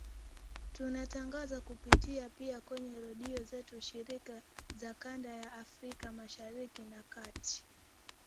tunatangaza kupitia pia kwenye redio zetu shirika za kanda ya Afrika Mashariki na Kati